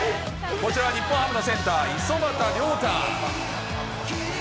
こちら、日本ハムのセンター、五十幡亮汰。